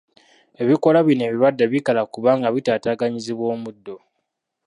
Ebikoola bino ebirwadde bikala kubanga bitataaganyizibwa omuddo.